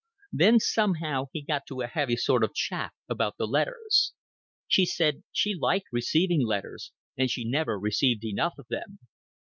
Then somehow he got to a heavy sort of chaff about the letters. She said she liked receiving letters, and she never received enough of them.